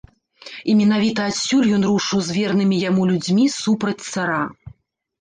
І менавіта адсюль ён рушыў з вернымі яму людзьмі супраць цара.